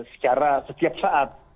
secara setiap saat